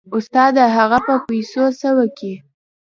استاده هغه به په پيسو څه وکي.